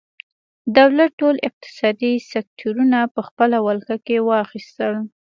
دولت ټول اقتصادي سکتورونه په خپله ولکه کې واخیستل.